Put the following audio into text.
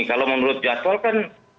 kalau menurut jasol kan